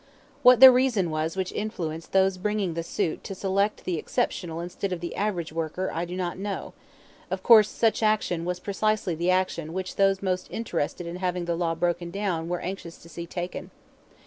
What the reason was which influenced those bringing the suit to select the exceptional instead of the average worker I do not know; of course such action was precisely the action which those most interested in having the law broken down were anxious to see taken.